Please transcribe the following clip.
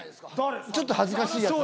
ちょっと恥ずかしいやつ。